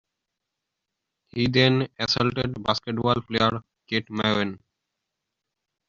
He then assaulted basketball player Kate McEwen.